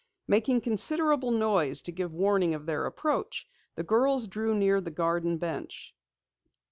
Making considerable noise to give warning of their approach, the girls drew near the garden bench.